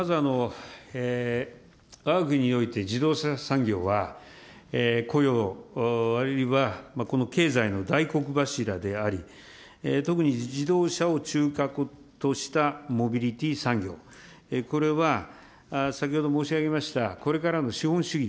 まずわが国において自動車産業は、雇用あるいは経済の大黒柱であり、特に自動車を中核としたモビリティ産業、これは先ほど申し上げましたこれからの資本主義